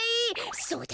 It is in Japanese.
そうだ！